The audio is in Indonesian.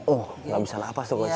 oh nggak bisa nafas tuh coach ya